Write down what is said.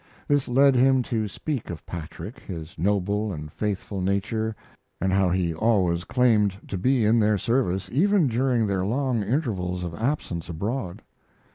This led him to speak of Patrick, his noble and faithful nature, and how he always claimed to be in their service, even during their long intervals of absence abroad.